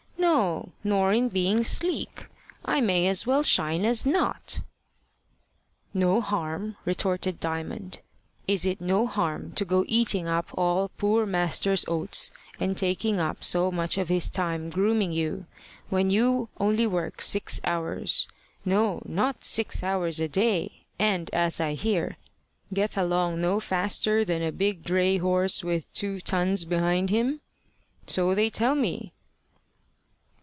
"No, nor in being sleek. I may as well shine as not." "No harm?" retorted Diamond. "Is it no harm to go eating up all poor master's oats, and taking up so much of his time grooming you, when you only work six hours no, not six hours a day, and, as I hear, get along no faster than a big dray horse with two tons behind him? So they tell me."